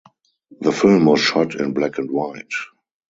The film was shot in black and white.